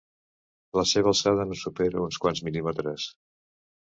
La seva alçada no supera uns quants mil·límetres.